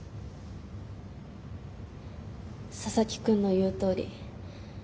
佐々木くんの言うとおり。